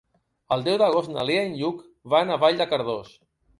El deu d'agost na Lea i en Lluc van a Vall de Cardós.